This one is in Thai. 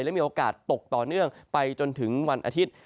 และมีโอกาสตกต่อเนื่องไปจนถึงวันอาทิตย์